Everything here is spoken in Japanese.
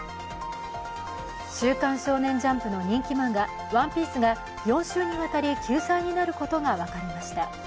「週刊少年ジャンプ」の人気漫画「ＯＮＥＰＩＥＣＥ」が休載になることが分かりました。